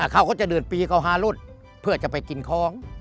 เขาก็จะเดินปีเขาหารถเพื่อจะไปกินของ